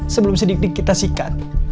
sebelum sedikit kita sikat